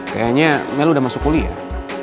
kayaknya mell udah masuk kuliah